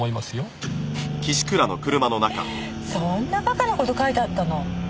フフッそんなバカな事書いてあったの？